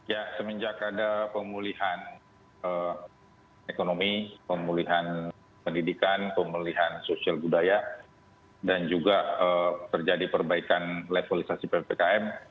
ya semenjak ada pemulihan ekonomi pemulihan pendidikan pemulihan sosial budaya dan juga terjadi perbaikan levelisasi ppkm